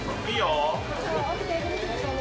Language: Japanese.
いいよ。